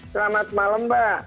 selamat malam mbak